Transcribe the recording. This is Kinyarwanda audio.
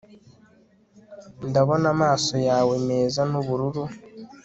ndabona amaso yawe, meza nubururu